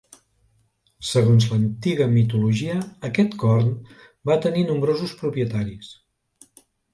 Segons l'antiga mitologia, aquest corn va tenir nombrosos propietaris.